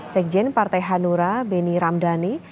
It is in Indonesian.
sekjen partai hanura beni ramdhani